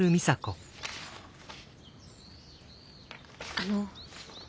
あの。